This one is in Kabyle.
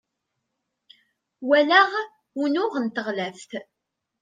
walaɣ unuɣ n tɣellaft